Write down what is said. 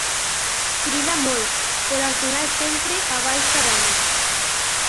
Crida molt, però al final sempre abaixa veles.